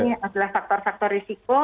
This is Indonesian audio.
yang adalah faktor faktor risiko